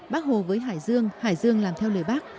bác hồ với hải dương hải dương làm theo lời bác